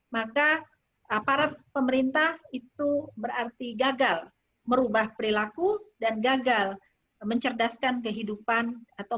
maka aparat pemerintah itu berarti gagal merubah perilaku dan gagal mencerdaskan kehidupan atau